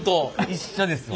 一緒ですわ。